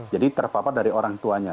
jadi terpapar dari orang tuanya